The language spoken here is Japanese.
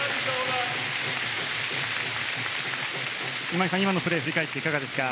今井さん、今のプレーを振り返っていかがですか？